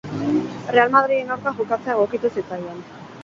Real Madrilen aurka jokatzea egokitu zitzaion.